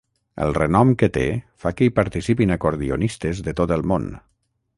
El renom que té fa que hi participin acordionistes de tot el món.